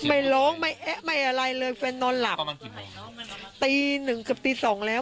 ไม่ร้องไม่เอ๊ะไม่อะไรเลยแฟนนอนหลับตีหนึ่งกับตีสองแล้ว